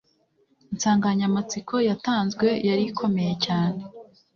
insanganyamatsiko yatanzwe yarikomeye cyane